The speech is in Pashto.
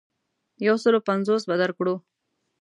یو سلو پنځوس به درکړو.